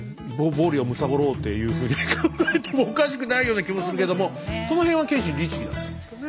暴利をむさぼろうというふうに考えてもおかしくないような気もするけどもその辺は謙信律儀だったんでしょうね。